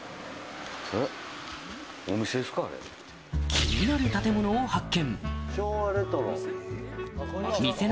気になる建物を発見。